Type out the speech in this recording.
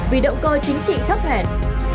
vì động cơ chính trị thấp hèn